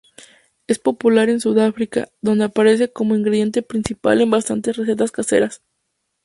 Es popular en Sudáfrica, donde aparece como ingrediente principal en bastantes recetas caseras.